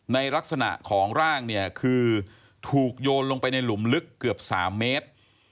ในลักษณะของร่างเนี่ยคือถูกโยนลงไปในหลุมลึกเกือบ๓เมตร